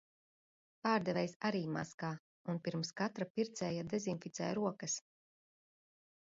Pārdevējs arī maskā un pirms katra pircēja dezinficē rokas.